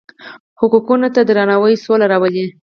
حقونو ته درناوی سوله راولي.